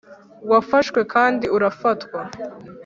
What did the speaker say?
wafashwe kandi urafatwa